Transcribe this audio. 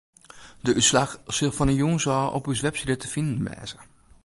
De útslach sil fan 'e jûns ôf op ús website te finen wêze.